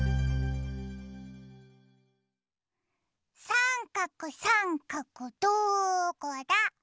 さんかくさんかくどこだ？